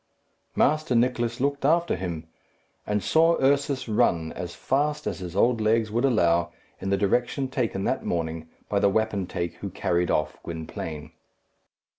Master Nicless looked after him, and saw Ursus run, as fast as his old legs would allow, in the direction taken that morning by the wapentake who carried off Gwynplaine.